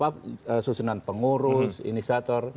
apa susunan pengurus inisiatur